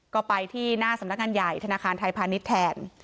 ก็ไปที่หน้าสำนักงานใหญ่ธนาคารไทยพาณิชย์แทน